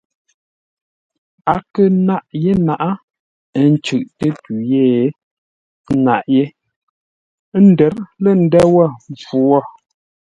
A kə̂ nâʼ yé naʼá, ə́ ncʉʼtə́ tû ye ńnaʼ yé, ə́ ndə̂r lə̂ ndə̂ wə̂ mpfu wo.